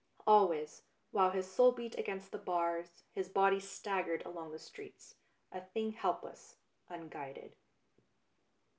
Always, while his soul beat against the bars, his body staggered along the streets, a thing helpless, unguided.